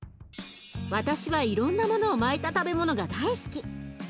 私はいろんなものを巻いた食べ物が大好き。